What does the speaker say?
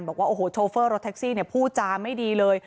บอกว่าโอ้โหโชเฟอร์รถแท็กซี่เนี่ยพูดจาไม่ดีเลย